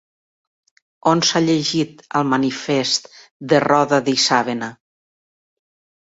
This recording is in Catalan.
On s'ha llegit el Manifest de Roda d'Isàvena?